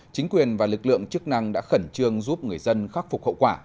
chính quyền và lực lượng chức năng đã khẩn trương giúp người dân khắc phục hậu quả